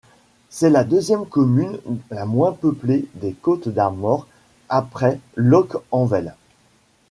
C’est la deuxième commune la moins peuplée des Côtes-d'Armor après Loc-Envel.